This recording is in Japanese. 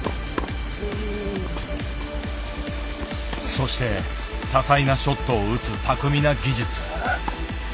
そして多彩なショットを打つ巧みな技術。